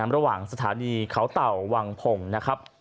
ระหว่างสถานีเขาเต่าวังผงนะครับ